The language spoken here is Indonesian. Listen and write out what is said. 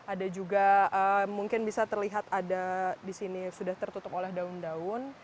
ada juga mungkin bisa terlihat ada di sini sudah tertutup oleh daun daun